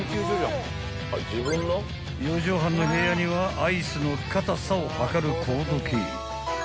［４畳半の部屋にはアイスの硬さを測る硬度計］